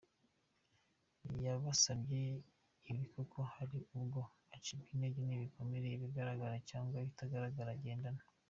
Yabasabye ibi kuko hari ubwo acibwa intege n’ibikomere ibigaragara cyangwa ibitagaragara agendana.